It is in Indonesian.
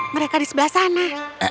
mereka di sebelah sana